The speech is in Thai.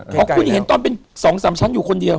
เพราะคุณเห็นตอนเป็น๒๓ชั้นอยู่คนเดียว